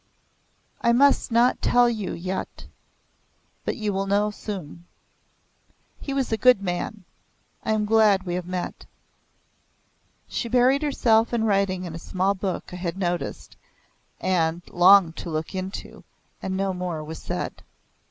"I must not tell you yet but you will know soon. He was a good man. I am glad we have met." She buried herself in writing in a small book I had noticed and longed to look into, and no more was said.